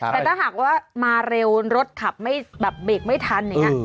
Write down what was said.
แต่ถ้าหากว่ามาเร็วรถขับไม่แบบเบรกไม่ทันอย่างนี้